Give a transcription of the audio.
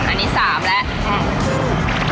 อันนี้๓แล้ว